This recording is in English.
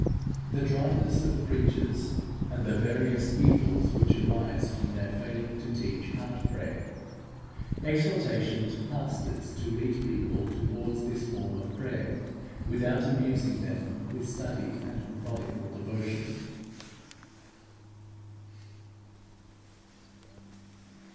THE DRYNESS OF PREACHERS, AND THE VARIOUS EVILS WHICH ARISE FROM THEIR FAILING TO TEACH HEART PRAYER EXHORTATION TO PASTORS TO LEAD PEOPLE TOWARDS THIS FORM OF PRAYER, WITHOUT AMUSING THEM WITH STUDIED AND METHODICAL DEVOTION.